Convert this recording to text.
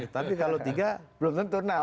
tapi kalau tiga belum tentu